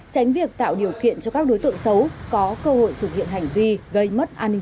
tránh việc tạo điều kiện cho các đối tượng xấu có cơ hội thực hiện hành vi gây mất an ninh trật tự của địa phương